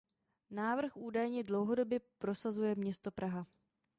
Návrh údajně dlouhodobě prosazuje město Praha.